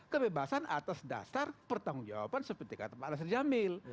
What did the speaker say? kebebasan atas dasar pertanggung jawaban seperti kata pak nasir jamil